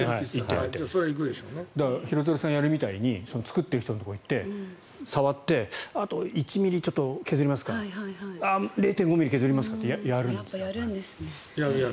だから、廣津留さんがやるみたいに作ってる人のところに行って触ってあと１ｍｍちょっと削りますかああ、０．５ｍｍ削りますかってやるんですね。